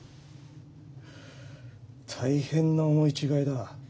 大変な思い違いだ。